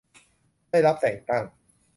ได้รับแต่งตั้ง